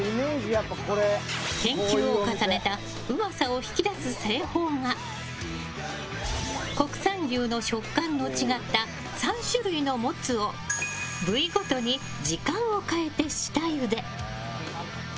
研究を重ねたうまさを引き出す製法が国産牛の食感の違った３種類のモツを部位ごとに時間を変えて下ゆで。